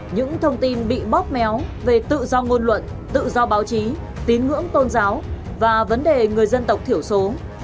những thông tin bị bóp méo về tự do ngôn luận tự do báo chí tín ngưỡng tôn giáo và vấn đề người dân tộc thiểu số